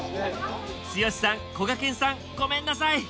剛さんこがけんさんごめんなさい！